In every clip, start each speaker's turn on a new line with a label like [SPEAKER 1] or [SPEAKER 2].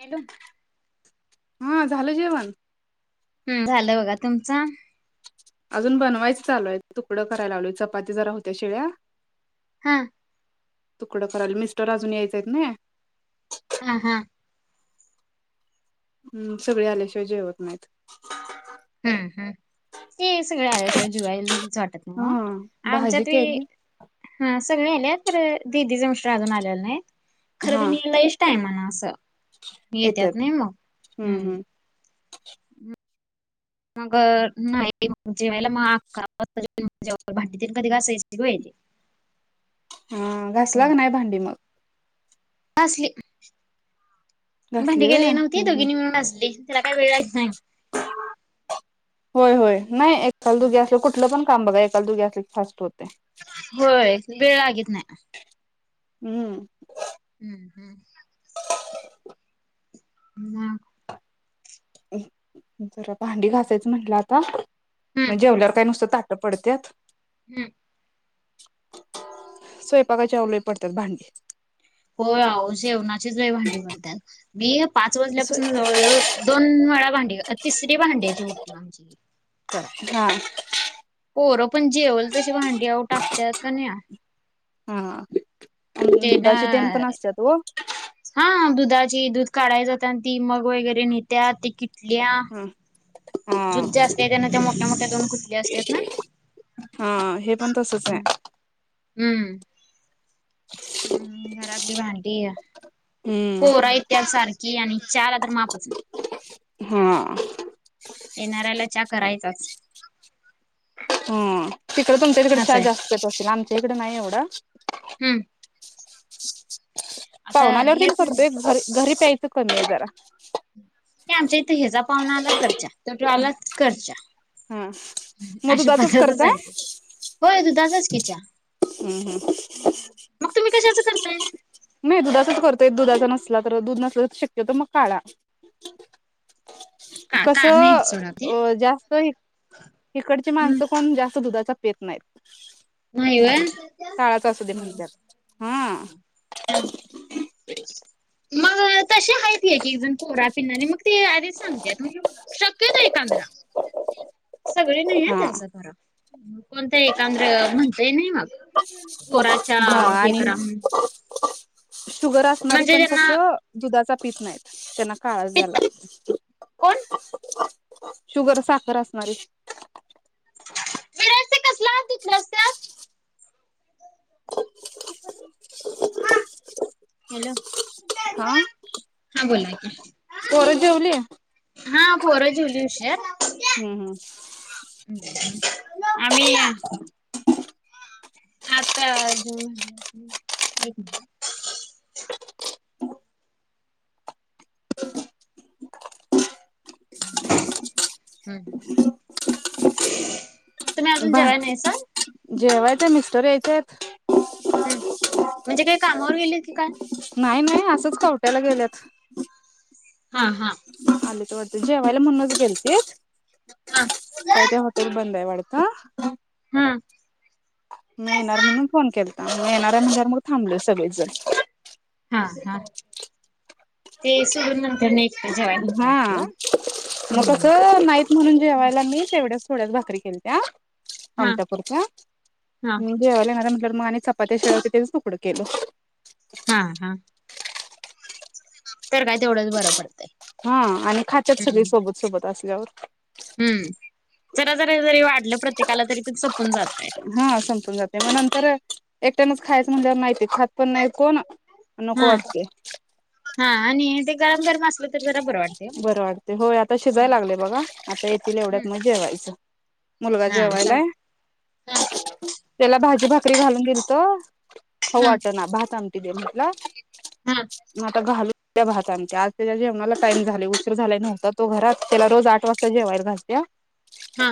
[SPEAKER 1] Hello.
[SPEAKER 2] हा झालं जेवण.
[SPEAKER 1] हम्म झालं बघा तुमचं?
[SPEAKER 2] अजून बनवायचं चालूय तुकडं करायला लावलोय चपाती जरा होत्या शिळ्या
[SPEAKER 1] हा.
[SPEAKER 2] तुकडं करायला मिस्टर अजून यायच आहेत नाई.
[SPEAKER 1] हा हा.
[SPEAKER 2] हम्म सगळी आल्याशिवाय जेवत नाहीत.
[SPEAKER 1] हम्म हम ते सगळ आले. जुवायलाच वाटत नाही
[SPEAKER 2] हा
[SPEAKER 1] आ
[SPEAKER 2] भाजी
[SPEAKER 1] आमच्यातबी
[SPEAKER 2] केली?
[SPEAKER 1] हा सगळी आल्यात खरं दिदीचं मिस्टर अजून आलेल नाहीत खरं
[SPEAKER 2] हा
[SPEAKER 1] त्यांनी लई टायमान असं येत्यात नाही मग हम्म. मग नाही जेवायला मग अकरा वाजता जेवतोय मग भांडी तेन कधी घासायची ग बाई ती.
[SPEAKER 2] हा
[SPEAKER 1] असं
[SPEAKER 2] घासला क
[SPEAKER 1] होतंय
[SPEAKER 2] नाही भांडी मग.
[SPEAKER 1] घासली.
[SPEAKER 2] घासली
[SPEAKER 1] भांडी काय
[SPEAKER 2] व्हय
[SPEAKER 1] लई नव्हती
[SPEAKER 2] हम्म हम्म
[SPEAKER 1] दोघीनी मिळून घासली त्याला काय वेळ लागत नाही.
[SPEAKER 2] होय होय नाही एकाल दोघी असलं कुठलं पण काम बघा एकाला दोघी असल कि फास्ट होतयं.
[SPEAKER 1] होय वेळ लागेत नाही.
[SPEAKER 2] हम्म.
[SPEAKER 1] हम्म हम्म. हम्म ना.
[SPEAKER 2] जरा भांडी घासायचं म्हटलं आता
[SPEAKER 1] हम्म
[SPEAKER 2] जेवल्यावर काय नुसतं ताट पडत्यात.
[SPEAKER 1] हम्म.
[SPEAKER 2] स्वयंपाकाची अव लई पडत्यात भांडी.
[SPEAKER 1] होय आव जेवणाचीच लय भांडी म्हणतात मी पाच वाजल्यापासून जवळजवळ दोन वेळा भांडी अ तिसरी भांड्याची बुट्टी आमची ही.
[SPEAKER 2] हा.
[SPEAKER 1] पोरं पण जेवल तशी भांडी आहो टाकत्यात का नाही या.
[SPEAKER 2] अ दुधाचे तेन पण असत्यात वो.
[SPEAKER 1] हा दुधाची दूध काढाय जात आणि ती मग वगैरे नेत्या ते किटल्या
[SPEAKER 2] हा. हा
[SPEAKER 1] जुज जास्त त्यानंतर ते मोठ्या मोठ्या दोन कुठले असतात ना.
[SPEAKER 2] हा हे पण तसच आहे.
[SPEAKER 1] हम्म. हम्म. हम्म घरातली भांडी या.
[SPEAKER 2] हम्म
[SPEAKER 1] पोर येत्यात सारखी आणि चहाला तर मापच नाही.
[SPEAKER 2] हा.
[SPEAKER 1] येणाऱ्याला चहा करायचाचं.
[SPEAKER 2] तिकडं तुमच्या तिकडं
[SPEAKER 1] असं
[SPEAKER 2] चहा
[SPEAKER 1] आहे
[SPEAKER 2] जास्त पीत असतील आमच्या इकडे नाही एवढा.
[SPEAKER 1] हम्म. अस.
[SPEAKER 2] पाहुणाल्यावरती मी करतोय घरी घरी प्यायचं कमी आहे जरा
[SPEAKER 1] आमच्या इथ हेच पाहुना आला करच्या तटू आलाच करच्या
[SPEAKER 2] हा मग
[SPEAKER 1] अशा
[SPEAKER 2] दुधाचच
[SPEAKER 1] पद्धतच
[SPEAKER 2] करताय
[SPEAKER 1] आहेत. होय दुधाचाच किचा
[SPEAKER 2] हम्म हम्म
[SPEAKER 1] मग तुम्ही कशाच करताय?
[SPEAKER 2] नाही दुधाचाच करतोय दुधाचा नसला तर दूध नसल तर शक्यत मग काळा
[SPEAKER 1] का
[SPEAKER 2] कस
[SPEAKER 1] का नाही सोडा ते
[SPEAKER 2] अ जास्त येकडची
[SPEAKER 1] हम्म
[SPEAKER 2] माणसं कोण जास्त दुधाचा पेत
[SPEAKER 1] नाही
[SPEAKER 2] नाहीत.
[SPEAKER 1] व्हय.
[SPEAKER 2] काळाच असू दे म्हणतात हा.
[SPEAKER 1] हम्म. मग तसे आहेत ये कीज पोरात पिनारे मग ते आधीच सांगते तु शक्यता एक कांधरा सगळे नाही
[SPEAKER 2] हा
[SPEAKER 1] आहेचं खर कोणतं एकांद्र म्हणतय नाही मग पोराच्या
[SPEAKER 2] हा
[SPEAKER 1] हे
[SPEAKER 2] आणि
[SPEAKER 1] करा म्हण.
[SPEAKER 2] शुगर असणार पण कस
[SPEAKER 1] ज्यांना
[SPEAKER 2] दुधा पीस नाही त्यां काळज्याला
[SPEAKER 1] पित्त कोण
[SPEAKER 2] शुगर साखर असणारी
[SPEAKER 1] स्ते कसला रस्
[SPEAKER 2] [inaudible]
[SPEAKER 1] हा हॅलो.
[SPEAKER 2] हा.
[SPEAKER 1] हा बोला की
[SPEAKER 2] पोरं जेवली?
[SPEAKER 1] हा पोर जेवली असेल.
[SPEAKER 2] हम्म हम्म.
[SPEAKER 1] आम्ही
[SPEAKER 2] [inaudible]
[SPEAKER 1] आता जून महि अस एक महि
[SPEAKER 2] [inaudible]
[SPEAKER 1] [inaudible]
[SPEAKER 2] बा
[SPEAKER 1] जेवाय नाहीसा?
[SPEAKER 2] जेवायच्या मिस्तर यायच्यात.
[SPEAKER 1] हम्म म्हणजे काय कामावर गेले होती की काय?
[SPEAKER 2] नाही नाही असंच खवट्याला गेल्यात.
[SPEAKER 1] हा हा.
[SPEAKER 2] आली त वाते जेवा्हाला म्हनज गेलती
[SPEAKER 1] हा
[SPEAKER 2] काय ते हॉटेल बंद आहे वाढत. का?
[SPEAKER 1] हा.
[SPEAKER 2] मी येणार म्हणून फोन केलता मी येणारऱ्या म्हंतर मग थांबल सगळे जण
[SPEAKER 1] हा हा ते सडून नंतर नाही. एकटं जेवायला नको
[SPEAKER 2] हा
[SPEAKER 1] वाटतंय ओ.
[SPEAKER 2] मग कस
[SPEAKER 1] हम्म.
[SPEAKER 2] नाही. म्हणून जेवायला मी तेवढ्याच थोड्याच भाकरी केलत्या
[SPEAKER 1] हा
[SPEAKER 2] आमटपूरच्या
[SPEAKER 1] हा
[SPEAKER 2] जेवाला म्हट मग आणि चपात्या शेव तकडं केलं.
[SPEAKER 1] हा हा. तर काय तेवढंच बरोब पडतं.
[SPEAKER 2] हा आणि खातत सगळी सोबत सोबत असल्यावर
[SPEAKER 1] हम्म जरा जरा जरी वाढलं प्रत्येकाला तरी पण सपून जातय.
[SPEAKER 2] हा समजून जाते मग नंतर एकटच खायचं म्हणल्या माहिती खात पण नाहीकोण नको
[SPEAKER 1] हा
[SPEAKER 2] वाटते.
[SPEAKER 1] हा आणि ते गरम गरम असले. जरा बर.
[SPEAKER 2] बरं वाटते होय आता शिजावयला लागले बघा आता येतील एवढ्यात
[SPEAKER 1] हम्म.
[SPEAKER 2] मजा व्हायचं. मुलगा
[SPEAKER 1] हा चालतंय.
[SPEAKER 2] जेवायला
[SPEAKER 1] हा
[SPEAKER 2] त्याला भाजी भाकरी घालून दिेल तो खाऊ
[SPEAKER 1] हा
[SPEAKER 2] वाटना भात आमटि दे म्हटल
[SPEAKER 1] हा
[SPEAKER 2] मग आता घालू द्या भात‌ आमटी आज तेज्या जेवणाला टाईम झालय उशीर झाला नव्हता तो घरात त्याला रोज आठ वाजता जेवायला घालत्या.
[SPEAKER 1] हा.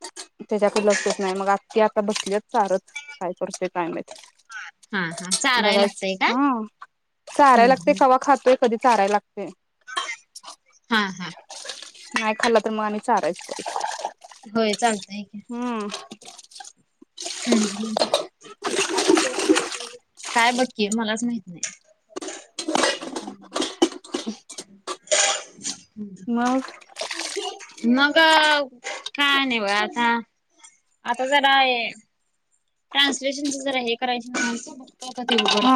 [SPEAKER 2] [unintelligible] त्याज्याकडे लक्षच नाही मग आत्या आता बसलीयात चारत काय करतोय काय
[SPEAKER 1] हा हा
[SPEAKER 2] माहित?
[SPEAKER 1] चाराय
[SPEAKER 2] बघाच
[SPEAKER 1] लागतय का
[SPEAKER 2] हम्म चाराय
[SPEAKER 1] हम्म
[SPEAKER 2] लागते
[SPEAKER 1] हम्म
[SPEAKER 2] तवा खातोय. कधी चाराय लागतय
[SPEAKER 1] हा हा.
[SPEAKER 2] नाही खाला तर मग आम्ही चारायच.
[SPEAKER 1] होय चालतय की.
[SPEAKER 2] हम्म.
[SPEAKER 1] हम्म काय बग कि मलाच माहित नाही.
[SPEAKER 2] मग
[SPEAKER 1] [unintelligible] मग.. अ काय नाही बगा आता. आता जरा हे ट्रान्सलेशनच जरा हे करायच म्हणालतो
[SPEAKER 2] हा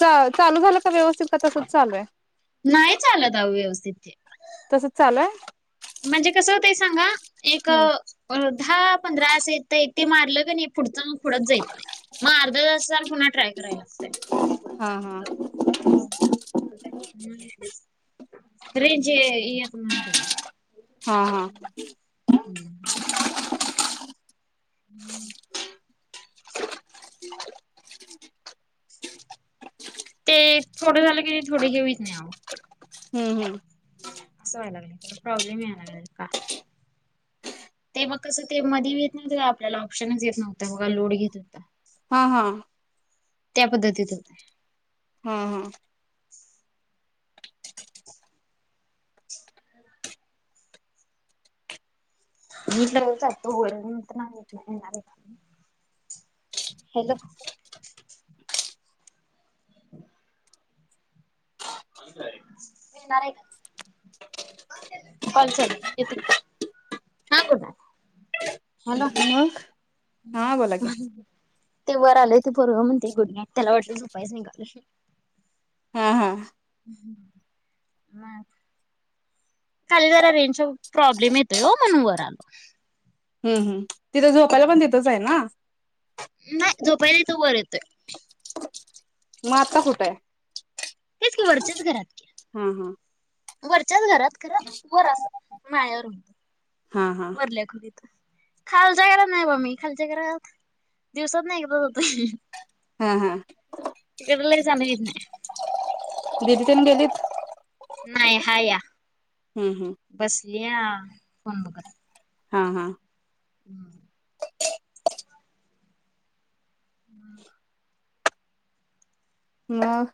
[SPEAKER 2] चा चालू झालं का व्यवस्थित का तसच चालू आहे?
[SPEAKER 1] नाही चालत आहो व्यवस्थित ते
[SPEAKER 2] तसच चालूय?
[SPEAKER 1] म्हणजे कसं होतय सांगा एक अ
[SPEAKER 2] आहे
[SPEAKER 1] दहा पंधरा असं येतय ते मारलं क नाही पुढचं पुढच जाईत नाही मग अर्धा तासान पुन्हा ट्राय करायला लागतय.
[SPEAKER 2] हा हा.
[SPEAKER 1] रेंज येत नाही.
[SPEAKER 2] हा हा
[SPEAKER 1] हम्म [unintelligible] हम्म [inaudible] ते थोडं झालं की थोडे हे होईत नाही आव
[SPEAKER 2] हम्म हम्म.
[SPEAKER 1] असं व्हाय लागलय त्याला प्रॉ्लेम याय लागलाय का. ते मग कसं ते मधी येत नव्हत आपल्याला ऑप्शनच येत नव्हतं बघा लोड घेत होत.
[SPEAKER 2] हा हा.
[SPEAKER 1] त्या पद्धतीत होते.
[SPEAKER 2] हम्म हम्म.
[SPEAKER 1] मी तर रोज जातो वैरण [unintelligible] हॅलो येणारा आहे. काँल चालूय येते हा बोला ना.
[SPEAKER 2] मग?
[SPEAKER 1] ह
[SPEAKER 2] हा बोला
[SPEAKER 1] ह
[SPEAKER 2] की
[SPEAKER 1] [unintelligible] ते वर आले ते पोरगं म्हणते गुड नाईट त्याला वाटलं झोपायच निघालोय.
[SPEAKER 2] हा हा
[SPEAKER 1] मात [unintelligible] खाली जरा रेंज चा प्रॉब्लेम येतोय ओ म्हणुन वर आलो.
[SPEAKER 2] हम्म हम्म तिथं झोपायला पण तिथंच आहे ना?
[SPEAKER 1] नाही झोपाय ईत वर येतोय.
[SPEAKER 2] मग आता कूठय?
[SPEAKER 1] तेच की वरच्याच घरात की
[SPEAKER 2] हम्म हम्म.
[SPEAKER 1] वरच्याच घरात खर वर आस माळ्यावर.
[SPEAKER 2] हा हा
[SPEAKER 1] वरल्या खोलीत. खालच्या घरात नाही बा मी खालच्या घरात दिवसातन एकदा जातोय.
[SPEAKER 2] हम्म हम्म.
[SPEAKER 1] लय जाणं येत नाही
[SPEAKER 2] दिदी तन गेलीत.
[SPEAKER 1] नाही हा या
[SPEAKER 2] हम्म हम्म
[SPEAKER 1] बसली या फण बघत.
[SPEAKER 2] हा हा.
[SPEAKER 1] हम्म.
[SPEAKER 2] [inaudible]
[SPEAKER 1] हम्म.
[SPEAKER 2] मग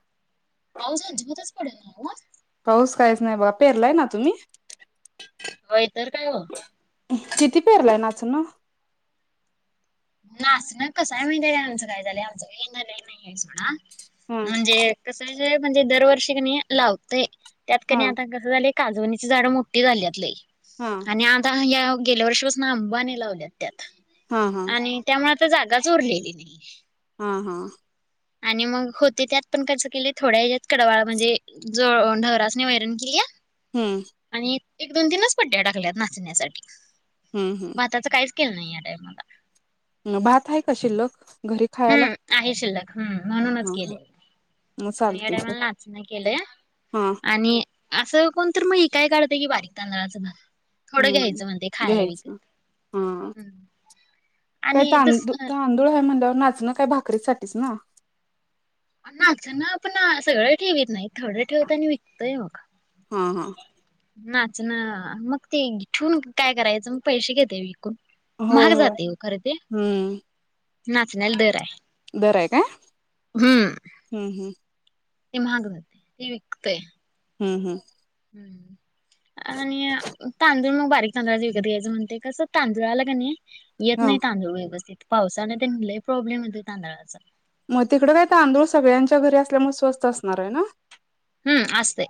[SPEAKER 1] पाऊस अजिबात पडत नाही ना.
[SPEAKER 2] पाऊस काहीच नाही बघा पेरलाय ना तुम्ही?
[SPEAKER 1] हो इ तरर काय हो.
[SPEAKER 2] किती पेरलाय नाचून ना.
[SPEAKER 1] नाच ना कस आहे म्हणते आमचं काय झालंय आमचं काही येणारय नाही आहे
[SPEAKER 2] हा
[SPEAKER 1] सोड म्हणजे कस म्हणजे दरवर्षी की नाही लावत त्यात क
[SPEAKER 2] हा
[SPEAKER 1] आता काजची झाड मोठी झाली.
[SPEAKER 2] हा
[SPEAKER 1] आता ह गेल्या वर्षीपासून अंबाने लावल्यात त्यात
[SPEAKER 2] हा हा.
[SPEAKER 1] आणि त्यामुळे आता जागाच उरलेली नाही.
[SPEAKER 2] हा हा.
[SPEAKER 1] आणि मग होते त्यात पण खर्च केले थोड्या हत कडवाळा म्हणजे ज ढवराचने वैरण केली आहे.
[SPEAKER 2] हम्म.
[SPEAKER 1] आणि एक दोन तीनच पडट्या टाकल्यात नाचण्यासाठी
[SPEAKER 2] हम्म हम्म.
[SPEAKER 1] भातातच काहीच केलं नाही या टायमला
[SPEAKER 2] मग भात आहे का शिल्लक घरी खायला.
[SPEAKER 1] हम्म आहे शिल्लक हम्म म्हणूनच
[SPEAKER 2] हा हा
[SPEAKER 1] केलय.
[SPEAKER 2] मग
[SPEAKER 1] म याड
[SPEAKER 2] चालते की
[SPEAKER 1] मला नाचना केलंय
[SPEAKER 2] हा
[SPEAKER 1] आणि असं कोण तर मग काय काढतंय की बारीक तांदळाच ना. थोडं
[SPEAKER 2] हम्म
[SPEAKER 1] घ्यायचं म्हणते खायला विकत
[SPEAKER 2] घ्यायचं हा
[SPEAKER 1] हम्म.
[SPEAKER 2] काय तांदूळ तांदूळ आहे म्हणल्यावर नाचणं काय भाकरी साठीच ना.
[SPEAKER 1] नाच ना आपण सगळे ठेवीत नाही थोडं ठेवत आणि विकतय बग
[SPEAKER 2] हा हा.
[SPEAKER 1] नाच ना मग ते ठेवून काय करायचं मग पैसे घेते विकून
[SPEAKER 2] होय
[SPEAKER 1] महाग
[SPEAKER 2] होय
[SPEAKER 1] जाते खरे ते
[SPEAKER 2] हम्म
[SPEAKER 1] नाचण्याला दर आहे.
[SPEAKER 2] बर आहेय का?
[SPEAKER 1] हम्म.
[SPEAKER 2] हम्म हम्म.
[SPEAKER 1] निम माग मते वि इिकत
[SPEAKER 2] हम्म हम्म.
[SPEAKER 1] हम्म. आणि तांदूळ मग बारीक तांदूळा विकत घ्यायचं म्हणते कसं तांदूळ आला का नाही. येत
[SPEAKER 2] हा
[SPEAKER 1] नाही तांदूळ व्यवस्थित पावसाने त्यांलाही प्रॉब्लेम येतो तांदळाचा
[SPEAKER 2] मग तिकड का तर आंदोलळ सगळ्यांच्या घरी असल्यामुळे स्वस्त असणार आहे ना.
[SPEAKER 1] हम्म असते.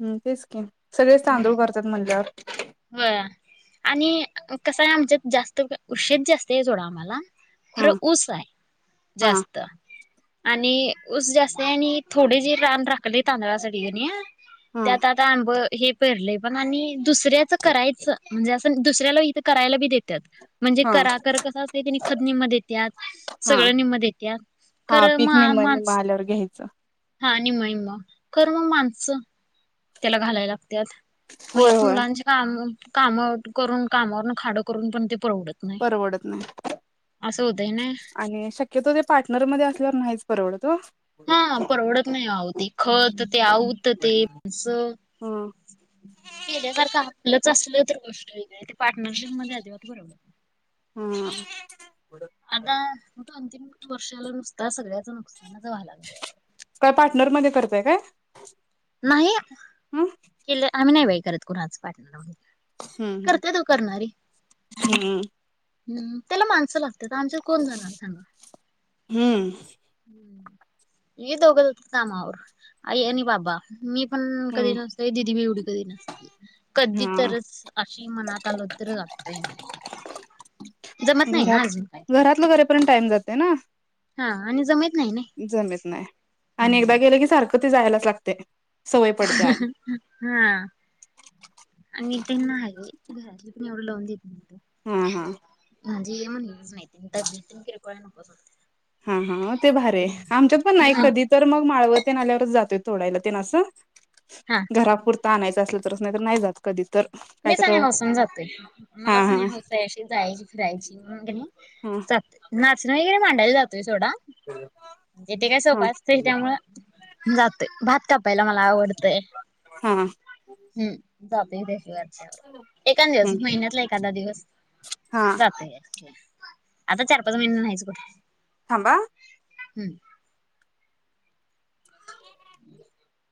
[SPEAKER 2] हम्म तेच कीन सगळेच तांदूळ करतात म्हणल्यावर
[SPEAKER 1] ह आणि कसं आहे आमच्यात जास्त उशीध जास्त आहे जोडा आम्हाला खरं
[SPEAKER 2] हा
[SPEAKER 1] ऊस आहे
[SPEAKER 2] हा
[SPEAKER 1] जास्त आणि उस जास्त आणि थोडे जे रान राखले तांदळासाठी घणी
[SPEAKER 2] हा
[SPEAKER 1] त्यात आता आंब हे परलंय पण आणि दुसऱ्याच करायचं म्हणजे अस. दुसऱ्याला इथे करायला बी देतात. म्हणजे
[SPEAKER 2] हा
[SPEAKER 1] करा कर कस असत तिने खत निम् देत्याात
[SPEAKER 2] हा
[SPEAKER 1] सगळं निम्म देतात.
[SPEAKER 2] हा पिकने म महाल्यावर घ्यायचं.
[SPEAKER 1] हा निम्म, निम्म खरं मग माणसं त्याला घालायला लागतात माझ्या
[SPEAKER 2] होय
[SPEAKER 1] पण
[SPEAKER 2] होय
[SPEAKER 1] मुलांचं काम, काम करून कामावरून खाडं करून पण ते परवडत नाही
[SPEAKER 2] परवडत नाही
[SPEAKER 1] असं होतंय ना
[SPEAKER 2] आणि शक्य कि तर पार्टनरमध्ये असल्यावर नाहीच परवडत ओ
[SPEAKER 1] हा परवडत नाही आओ ती खत ते आऊत ते
[SPEAKER 2] हं
[SPEAKER 1] केल्यासारखं आपलंच असलं तर गोष्ट वेगळीय ते पार्टनरशिप मध्ये अजिबात बरोबर नाही
[SPEAKER 2] हम्म
[SPEAKER 1] आता तो अंतिम वर्षाला नुसता सगळ्याच नुकसानाच वला
[SPEAKER 2] काय पार्टनरमध्येध्ये करताय काय?
[SPEAKER 1] नाही
[SPEAKER 2] हं
[SPEAKER 1] केल आम्ही नाही बाई करत कुणाच पार्टनर मधी
[SPEAKER 2] हम्म
[SPEAKER 1] करतेत ओ करणारी
[SPEAKER 2] हम्म
[SPEAKER 1] हम् त्याला माणसं लागत आमच्या कोण जाणार सांगा.
[SPEAKER 2] हम्म
[SPEAKER 1] हे दोघं कामावर आई आणि बाबा मी पण
[SPEAKER 2] हम्म
[SPEAKER 1] कधी
[SPEAKER 2] हम्म
[SPEAKER 1] नस. ए दिदी मी एवढी कधी नसते कधी
[SPEAKER 2] हा
[SPEAKER 1] तरच अशी मनात आलोतर जागतोय मी जमत नाही ना
[SPEAKER 2] घरात
[SPEAKER 1] अजून काय ते
[SPEAKER 2] घरातलं करेपर्यंत टाइम जाते ना
[SPEAKER 1] हा आणि जमत नाही ना
[SPEAKER 2] जमत नाही आणि एकदा
[SPEAKER 1] हम्म
[SPEAKER 2] गेलं की सारखं म ते जायलाच लागतय सवय पडते आणि
[SPEAKER 1] हा आणि ते नाही घरातलं पण एवढं लावून देत नाहीत
[SPEAKER 2] हा, हा
[SPEAKER 1] म्हणजे हे म्हण येज नाही नते
[SPEAKER 2] हा, हा म ते भार आहे आमच्यात पण नाही
[SPEAKER 1] हा
[SPEAKER 2] कधी तर मग माळवतेन आल्यावरच जातोय तथोडायला ते ना असं.
[SPEAKER 1] हा
[SPEAKER 2] घरापुरता आणायचं असल तरच नाही तर नाही जात. कधी तर
[SPEAKER 1] मीच
[SPEAKER 2] काहीतर
[SPEAKER 1] आणि हसून जातोय
[SPEAKER 2] हा
[SPEAKER 1] मलाच नाही
[SPEAKER 2] हा
[SPEAKER 1] हचशी जायची फिरायची म्हणून
[SPEAKER 2] हा
[SPEAKER 1] जाते. नाचणं वगैरे मांडायला जातोय सोडा जेथे काय
[SPEAKER 2] हा
[SPEAKER 1] सोपां असते त्यामुळ जाते भात कापायला मला आवडतय
[SPEAKER 2] हा
[SPEAKER 1] [unintelligible] एकंदिवस
[SPEAKER 2] हम्म
[SPEAKER 1] महिन्यातला एखादा दिवस
[SPEAKER 2] हा
[SPEAKER 1] जातय आता चार पाच महिने नाहीच कुठ?
[SPEAKER 2] थांबा
[SPEAKER 1] हम्म